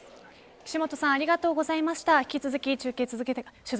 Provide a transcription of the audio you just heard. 岸本さんありがとうございました。